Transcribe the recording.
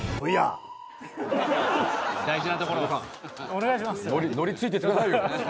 お願いしますよ。